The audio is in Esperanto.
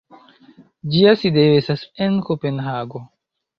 Ĝia sidejo estas en Kopenhago.